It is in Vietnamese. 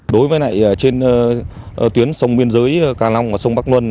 đối với này trên tuyến sông miên giới cà long và sông bắc luân